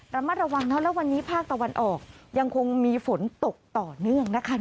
ระมัดระวังเนอะแล้ววันนี้ภาคตะวันออกยังคงมีฝนตกต่อเนื่องนะคะ